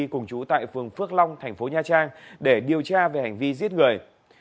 cùng chú tại phường phước long thành phố nha trang để điều tra về hành vi giết người